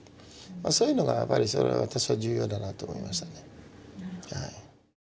そういうのがやっぱり私は重要だなと思いましたね。